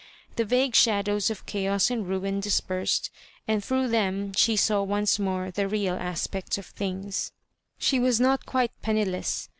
The vague shadows of chaos and ruin dispersed, and through them she saw once more the real aspect of thinga She was not quite penniless.